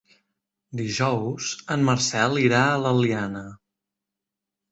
Dijous en Marcel irà a l'Eliana.